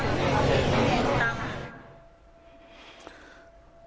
ถึงใครที่หนูกลัวรถระเบิดดำดำ